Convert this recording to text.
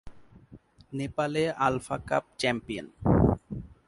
নেপালে alpha cup champion.